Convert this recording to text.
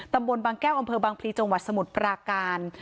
ตำบลบางแก้วอำเภอบางพลีจังหวัดสมุทรปราการ